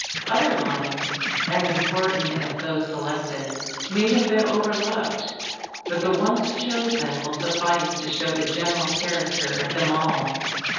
Other lines, as important as those selected, may have been overlooked, but the ones chosen will suffice to show the general character of them all.